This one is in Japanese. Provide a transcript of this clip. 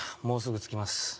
もうすぐ着きます